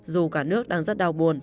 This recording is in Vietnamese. dù cả nước đang rất đau buồn